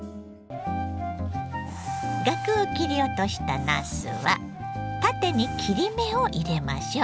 ガクを切り落としたなすは縦に切り目を入れましょう。